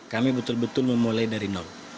kami betul betul memulai dari nol